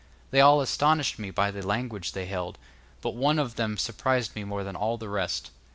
They all astonished me by the language they held, but one of them surprised me more than all the rest.